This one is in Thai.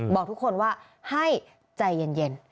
บอกทุกคนว่าให้ใจเย็น